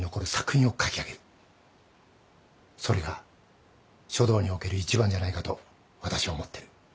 それが書道における一番じゃないかと私は思ってる。